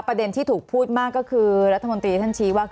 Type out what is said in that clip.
ประเด็นที่ถูกพูดมากก็คือรัฐมนตรีท่านชี้ว่า